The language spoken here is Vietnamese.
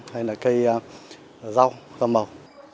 hay là cây rau rau màu